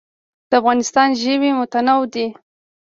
د افغانستان ژوي متنوع دي